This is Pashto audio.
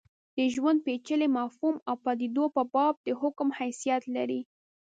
د ژوند پېچلي مفهوم او پدیدو په باب د حکم حیثیت لري.